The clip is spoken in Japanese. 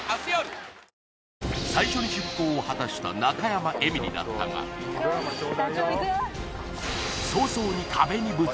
最初に出航を果たした中山エミリだったがダチョウいくよ